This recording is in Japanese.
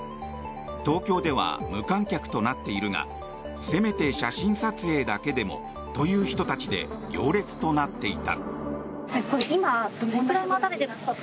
東京では無観客となっているがせめて写真撮影だけでもという人たちで行列となっていた。